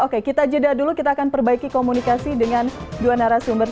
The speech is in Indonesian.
oke kita jeda dulu kita akan perbaiki komunikasi dengan dua narasumber